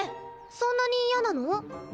そんなに嫌なの？